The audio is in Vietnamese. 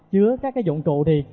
chứa các cái dụng cụ thì